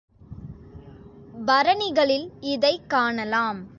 பரணிகளில் இதைக் காணலாம்.